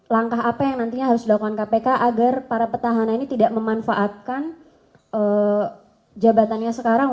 langkah apa yang nantinya harus dilakukan kpk agar para petahana ini tidak memanfaatkan jabatannya sekarang